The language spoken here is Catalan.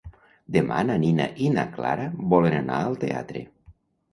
Demà na Nina i na Clara volen anar al teatre.